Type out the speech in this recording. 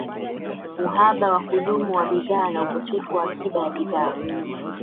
uhaba wa kudumu wa bidhaa na ukosefu wa akiba ya bidhaa